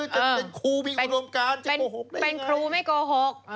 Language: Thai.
จะเป็นครูมีอุดมการจะเป็นครูไม่โกหก